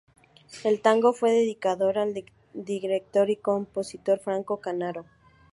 El tango fue dedicado al director y compositor Francisco Canaro.